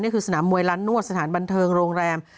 นี่คือสนามมวยรันนวดสถานบันเทิงโรงแรม